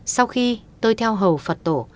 sau khi tôi theo hầu phật tổ